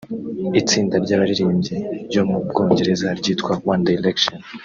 Itsinda ry’abaririmbyi ryo mu Bwongereza ryitwa One Direction